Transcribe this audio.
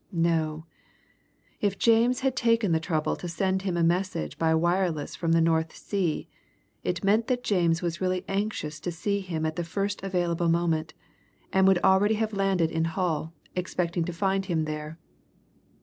No, if James had taken the trouble to send him a message by wireless from the North Sea, it meant that James was really anxious to see him at the first available moment, and would already have landed in Hull, expecting to find him there.